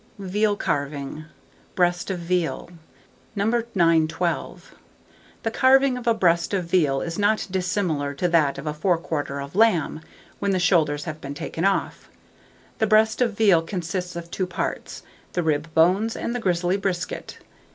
VEAL CARVING. BREAST OF VEAL. [Illustration: BREAST OF VEAL.] 912. The carving of a breast of veal is not dissimilar to that of a fore quarter of lamb, when the shoulder has been taken off. The breast of veal consists of two parts, the rib bones and the gristly brisket.